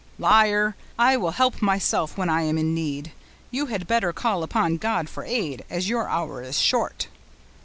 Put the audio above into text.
"Liar! I will help myself when I am in need; you had better call upon God for aid, as your hour is short."